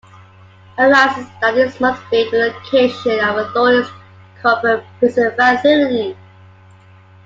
Han realizes that this must be the location of the Authority's covert prison facility.